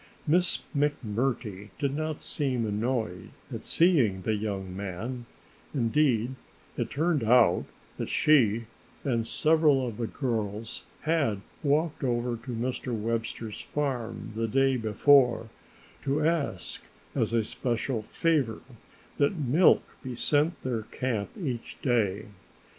Miss McMurtry did not seem annoyed at seeing the young man, indeed it turned out that she and several of the girls had walked over to Mr. Webster's farm the day before to ask as a special favor that milk be sent their camp each day.